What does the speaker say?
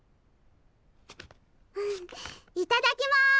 んいただきます！